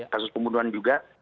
kasus pembunuhan juga